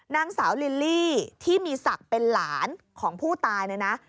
นางสาวลิลลี่ที่มีศักดิ์เป็นหลานของผู้ตายเนี่ยนะ